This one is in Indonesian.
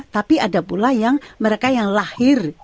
tapi ada pula yang mereka yang lahir